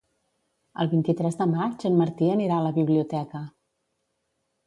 El vint-i-tres de maig en Martí anirà a la biblioteca.